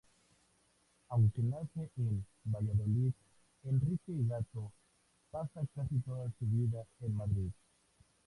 Aunque nace en Valladolid, Enrique Gato pasa casi toda su vida en Madrid.